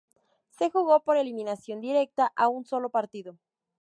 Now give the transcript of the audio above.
Se jugó por eliminación directa a un solo partido.